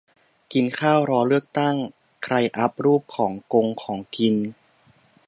กินข้าวรอเลือกตั้ง ใครอัปรูปของกงของกิน